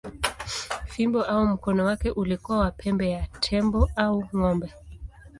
Fimbo au mkono wake ulikuwa wa pembe ya tembo au ng’ombe.